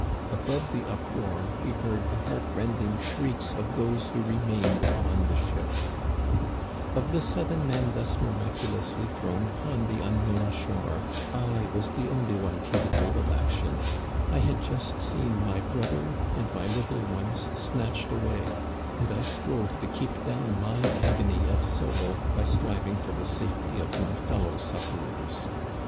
Above the uproar we heard the heart rending shrieks of those who remained upon the ship. " Of the seven men thus miraculously thrown upon Digitized by VjOOQIC 220 "^HE CANADIANS OF OLD. the unknown shore, I was the only one capable of action. I had just seen my brother and my little ones snatched away, and I strove to keep down my agony of soul by striving for the safety of my fellow suflferers.